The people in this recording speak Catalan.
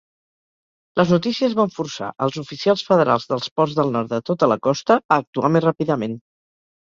Les notícies van forçar als oficials federals dels ports del nord de tota la costa a actuar més ràpidament.